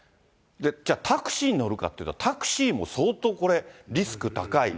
じゃあタクシーに乗るかっていったら、タクシーも相当これ、リスク高い。